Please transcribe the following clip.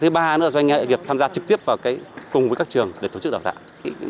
thứ ba nữa là doanh nghiệp tham gia trực tiếp cùng với các trường để tổ chức đào tạo